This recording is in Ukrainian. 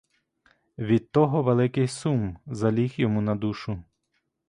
Від того великий сум заліг йому на душу.